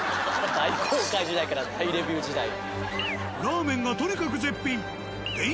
大航海時代から大レビュー時代。など